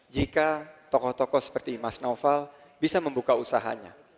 jika tokoh tokoh seperti mas noval bisa membuka usahanya